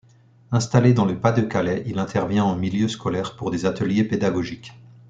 Installé dans le Pas-de-Calais, il intervient en milieu scolaire pour des ateliers pédagogiques.